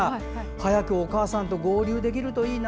早くお母さんと合流できるといいな。